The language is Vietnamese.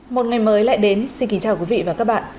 một ngày mới lại đến xin kính chào quý vị và các bạn